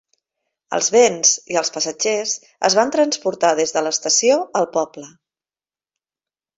Els bens i els passatgers es van transportar des de l"estació al poble.